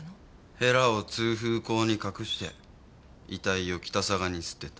へらを通風口に隠して遺体を北嵯峨に捨てた。